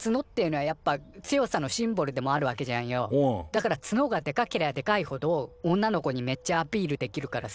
だからツノがデカけりゃデカいほど女の子にめっちゃアピールできるからさ。